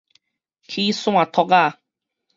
齒線戳仔